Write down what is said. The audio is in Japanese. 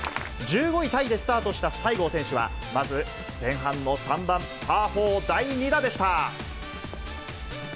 １５位タイでスタートした西郷選手は、まず、前半の３番、パー４第２打でした。